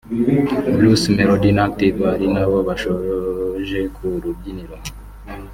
Bruce Melody na Active ari nabo bashoje ku rubyiniro